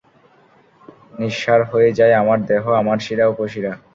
নিঃসাড় হয়ে যায় আমার দেহ, আমার শিরা-উপশিরা।